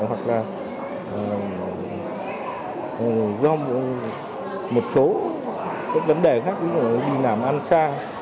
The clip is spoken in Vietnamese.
hoặc là do một số vấn đề khác ví dụ như đi làm ăn xa